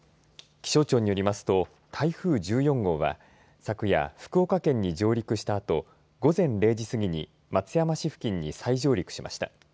気象庁によりますと台風１４号は昨夜や福岡県に上陸したあと午前０時すぎに松山市付近に再上陸しました。